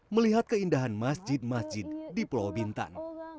melihat keindahan masjid masjid di pulau bintan